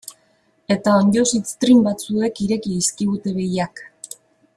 Eta onddo ziztrin batzuek ireki dizkigute begiak.